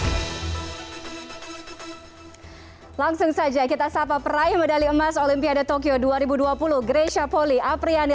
hai langsung saja kita sapa peraih medali emas olimpiade tokyo dua ribu dua puluh gresha poli apriyane